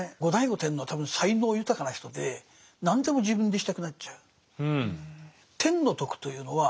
後醍醐天皇は多分才能豊かな人で何でも自分でしたくなっちゃう。